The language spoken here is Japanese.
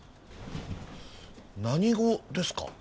何語ですか？